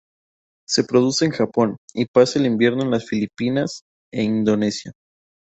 Se reproduce en Japón, y pasa el invierno en las Filipinas e Indonesia.